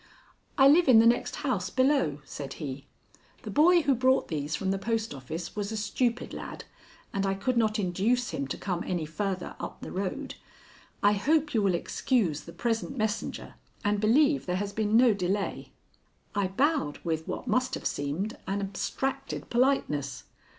"I live in the next house below," said he. "The boy who brought these from the post office was a stupid lad, and I could not induce him to come any farther up the road. I hope you will excuse the present messenger and believe there has been no delay." I bowed with what must have seemed an abstracted politeness.